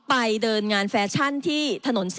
ไปเดินงานแฟชั่นที่ถนน๔